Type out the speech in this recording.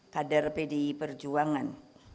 kader pdi perjuangan